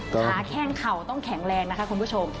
ขาแข้งเข่าต้องแข็งแรงนะคะคุณผู้ชม